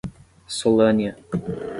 Solânea